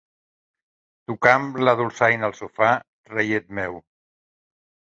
Toca'm la dolçaina al sofà, reiet meu.